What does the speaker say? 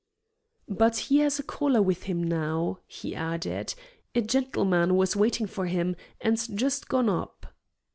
"But he has a caller with him now," he added. "A gentleman was waiting for him, and's just gone up."